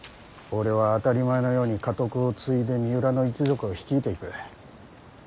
俺は当たり前のように家督を継いで三浦の一族を率いていく。